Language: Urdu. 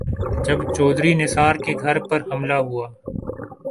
جب چوہدری نثار کے گھر پر حملہ ہوا۔